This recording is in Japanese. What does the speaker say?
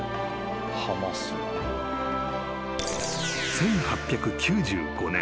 ［１８９５年。